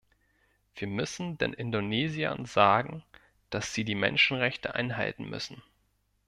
Wir müssen den Indonesiern sagen, dass sie die Menschenrechte einhalten müssen.